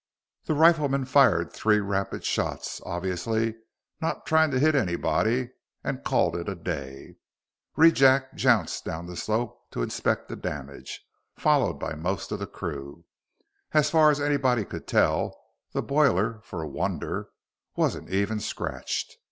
The rifleman fired three rapid shots, obviously not trying to hit anybody, and called it a day. Rejack jounced down the slope to inspect the damage, followed by most of the crew. As far as anybody could tell, the boiler, for a wonder, wasn't even scratched.